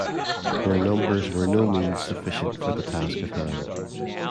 Their numbers were no means sufficient for the task at hand.